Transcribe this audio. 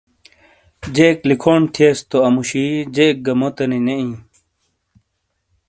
جیک لکھونڈ تھئیس تو اموشی جیک گہ موتےنی نے ایں۔